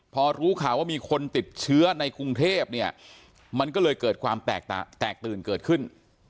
พอรู้ข่าวว่ามีคนติดเชื้อในกรุงเทพเนี่ยมันก็เลยเกิดความแตกตื่นเกิดขึ้น